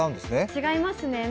違いますね。